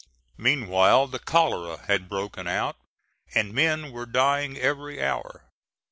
Meanwhile the cholera had broken out, and men were dying every hour.